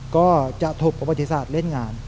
ก็จะถกประวัติศาสตร์เล่นงาน